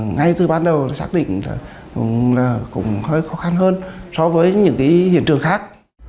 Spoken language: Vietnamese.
ngay từ ban đầu xác định là cũng hơi khó khăn hơn so với những hiện trường khác